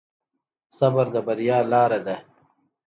صبر د بریا لاره ده.